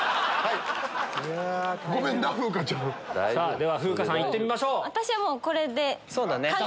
では風花さんいってみましょう。